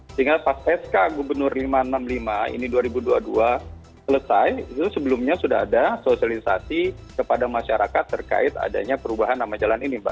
sehingga pas sk gubernur lima ratus enam puluh lima ini dua ribu dua puluh dua selesai itu sebelumnya sudah ada sosialisasi kepada masyarakat terkait adanya perubahan nama jalan ini mbak